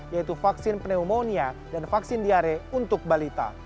yaitu vaksin pneumonia dan vaksin diare untuk balita